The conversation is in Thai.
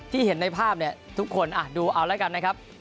เห็นในภาพเนี่ยทุกคนดูเอาแล้วกันนะครับ